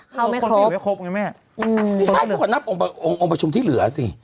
เข้าไม่ครบไงแม่อือนี่ใช่กว่านับองค์องค์องค์ประชุมที่เหลือสิ